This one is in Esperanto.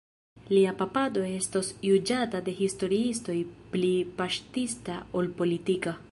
Lia papado estos juĝata de historiistoj pli paŝtista ol politika.